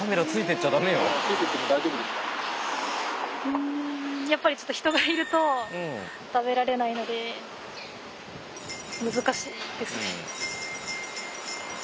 うんやっぱりちょっと人がいると食べられないので難しいですね。